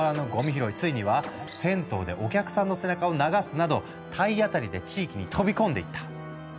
ついには銭湯でお客さんの背中を流すなど体当たりで地域に飛び込んでいった。